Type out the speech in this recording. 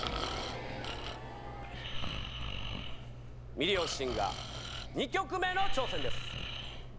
『ミリオンシンガー』２曲目の挑戦です。